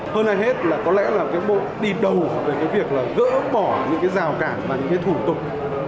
hơn ai hết là có lẽ là cái bộ đi đầu về cái việc là gỡ bỏ những cái rào cản và những cái thủ tục